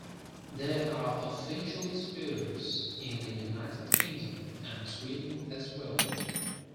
There are official distributors in the United Kingdom and Sweden as well.